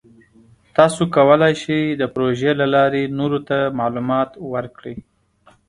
تاسو کولی شئ د پروژې له لارې نورو ته معلومات ورکړئ.